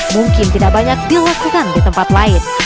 mungkin tidak banyak dilakukan di tempat lain